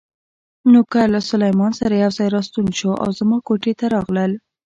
نوکر له سلمان سره یو ځای راستون شو او زما کوټې ته راغلل.